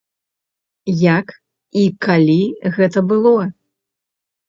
Як і калі гэта было?